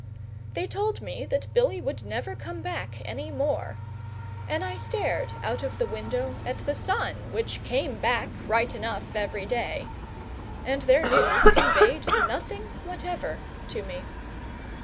They told me that Billy would never come back any more, and I stared out of the window at the sun which came back, right enough, every day, and their news conveyed nothing whatever to me.